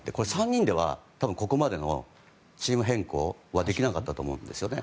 ３人ではここまでのチーム変更はできなかったと思うんですよね。